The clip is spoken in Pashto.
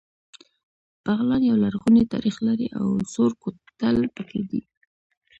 بغلان يو لرغونی تاریخ لري او سور کوتل پکې دی